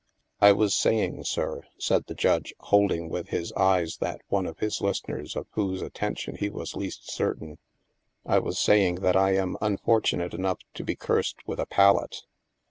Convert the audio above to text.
" I was saying, sir," said the Judge, holding with his eyes that one of his listeners of whose attention he was least certain, " I was saying that I am un fortunate enough to be cursed with a palate.